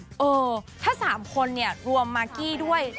เออถ้า๓คนเนี่ยรวมมากกี้ด้วย